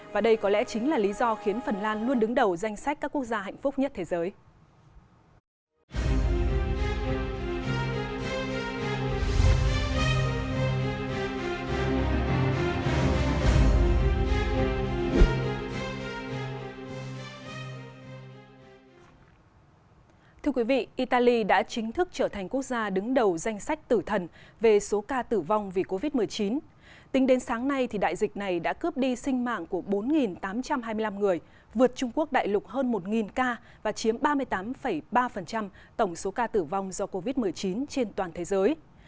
và đây có lẽ chính là lý do khiến phần lan luôn đứng đầu danh sách các quốc gia hạnh phúc nhất thế giới